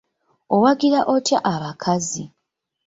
Owagira otya abakazi?